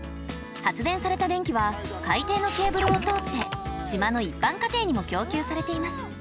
発電された電気は海底のケーブルを通って島の一般家庭にも供給されています。